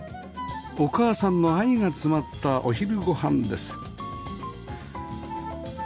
お母さんの愛が詰まったお昼ご飯です